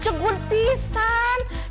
jangan presenter sekuala